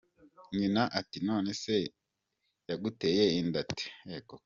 Nyina ati ”None se yaguteye inda ate ?“.